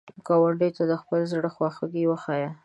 ګاونډي ته د خپل زړه خواخوږي وښایه